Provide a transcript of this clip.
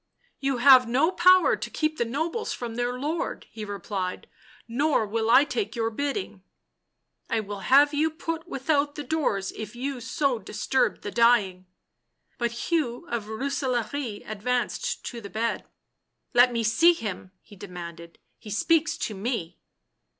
" You have no power to keep the nobles from their lord," he replied. " Nor will I take your bidding." " I will have you put without the doors if you so disturb the dying." But Hugh of Rooselaare advanced to the bed. u Let me see him," he demanded, 11 he speaks to me!"